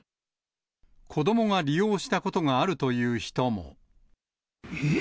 子どもが利用したことがあるえー！